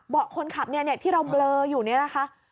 เบาะคนขับที่เราเบลออยู่นี่นะคะ